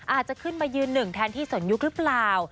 อาจจะขึ้นมายืนหนึ่งแทนที่สนยุคหรือเปล่า